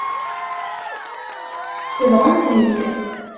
Sebɣen-ten-id.